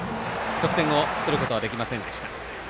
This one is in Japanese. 得点を取ることはできませんでした。